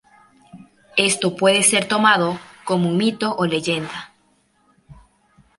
Esto, puede ser tomado como un mito o leyenda.